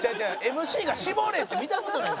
ＭＣが「絞れ」って見た事ない。